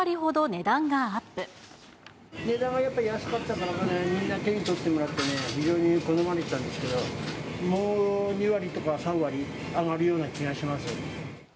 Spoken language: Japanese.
値段がやっぱり安かったから、みんな手に取ってもらってね、非常に好まれてたんですけど、もう２割とか３割、上がるような気がします。